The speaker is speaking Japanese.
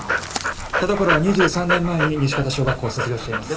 田所は２３年前に西潟小学校を卒業しています。